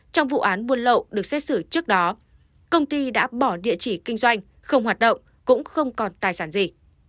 trong vụ án buôn lậu được xét xử trước đó công ty đã bỏ địa chỉ kinh doanh không hoạt động cũng không còn tài sản gì